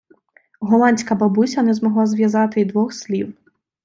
Голландська бабуся не змогла зв’язати й двох слів.